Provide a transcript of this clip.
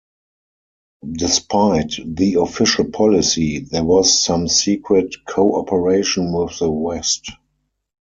Despite the official policy, there was some secret co-operation with the West.